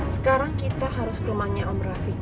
sekarang kita harus ke rumahnya om raffi